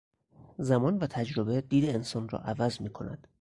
زمان و تجربه دید انسان را عوض میکند.